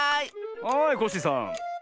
はいコッシーさん。